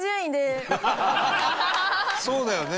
そうだよね